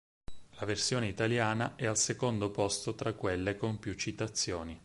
La versione italiana è al secondo posto tra quelle con più citazioni.